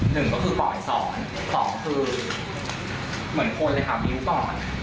หนึ่งก็คือปล่อยสอนสองคือเหมือนคนเลยค่ะมิ้วก่อน